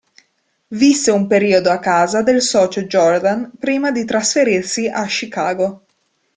Visse un periodo a casa del socio Jordan prima di trasferirsi a Chicago.